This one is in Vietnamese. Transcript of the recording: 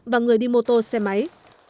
và người đi mô tô xe máy